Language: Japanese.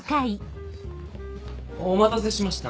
お待たせしました。